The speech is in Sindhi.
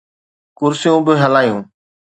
ڪرسيون به ھلايو.